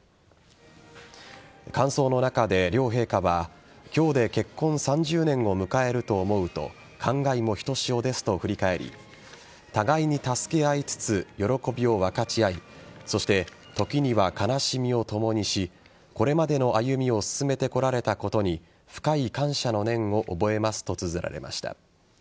感想の中で両陛下は今日で結婚３０年を迎えると思うと感慨もひとしおですと振り返り互いに助け合いつつ喜びを分かち合いそして時には悲しみを共にしこれまでの歩みを進めてこられたことに深い感謝の念を覚えますとつづられました。